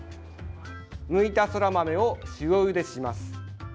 むいたそら豆を塩ゆでします。